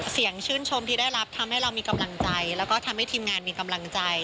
ชื่นชมที่ได้รับทำให้เรามีกำลังใจแล้วก็ทำให้ทีมงานมีกำลังใจ